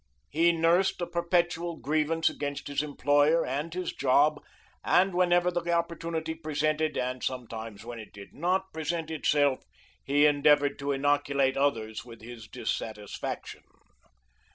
He nursed a perpetual grievance against his employer and his job, and whenever the opportunity presented, and sometimes when it did not present itself, he endeavored to inoculate others with his dissatisfaction.